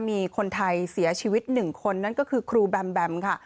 มีคนไทยเสียชีวิต๑คนนั่นก็คือครูแบมแบมค่ะ